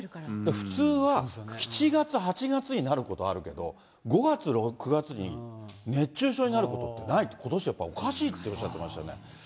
普通は７月、８月になることあるけど、５月、６月に、熱中症になることってないって、ことしやっぱりおかしいっておっしゃってましたね。